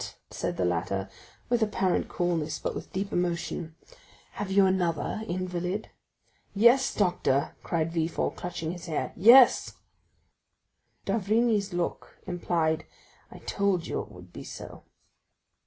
said the latter with apparent coolness, but with deep emotion, "have you another invalid?" "Yes, doctor," cried Villefort, clutching his hair, "yes!" D'Avrigny's look implied, "I told you it would be so."